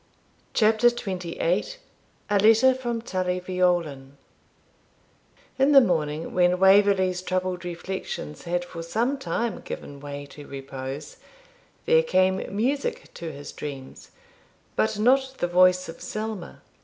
CHAPTER XXVIII A LETTER FROM TULLY VEOLAN In the morning, when Waverley's troubled reflections had for some time given way to repose, there came music to his dreams, but not the voice of Selma.